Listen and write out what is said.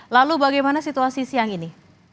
lalu bagaimana situasi siang ini